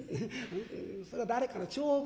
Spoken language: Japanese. それは誰かの調伏。